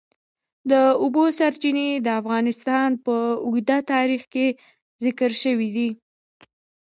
د اوبو سرچینې د افغانستان په اوږده تاریخ کې ذکر شوی دی.